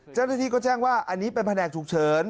เจ้าหน้าที่ก็แจ้งว่าอันนี้เป็นแผนกฉุกเฉิน